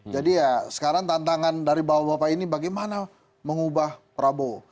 jadi ya sekarang tantangan dari bapak bapak ini bagaimana mengubah prabowo